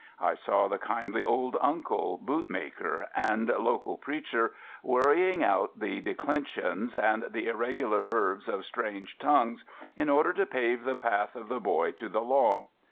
I saw the kindly old uncle, bootmaker and local preacher, wonying out the declensions and the irregular verbs of strange tongues inotder to pave the path of the boy to the law.